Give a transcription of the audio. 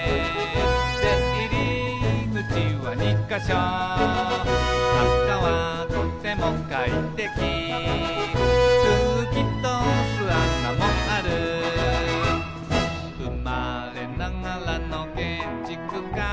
「でいりぐちは２かしょ」「なかはとてもかいてき」「空気とおすあなもある」「うまれながらのけんちくか」